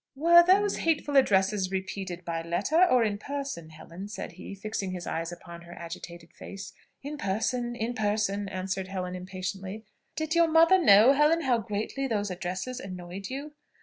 "Were these hateful addresses repeated by letter or in person, Helen?" said he, fixing his eyes upon her agitated face. "In person in person," answered Helen, impatiently. "Did your mother know, Helen, how greatly these addresses annoyed you?"